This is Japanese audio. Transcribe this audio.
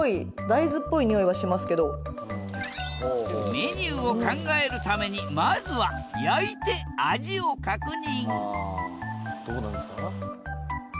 メニューを考えるためにまずは焼いて味を確認